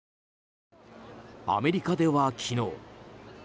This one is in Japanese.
アメリカでは、昨日。